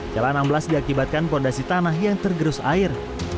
jalan amblas diakibatkan fondasi tanah yang tergerus air